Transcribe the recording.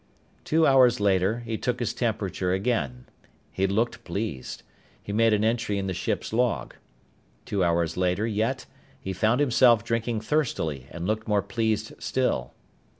Two hours later he took his temperature again. He looked pleased. He made an entry in the ship's log. Two hours later yet he found himself drinking thirstily and looked more pleased still.